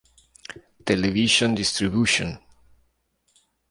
Television Distribution.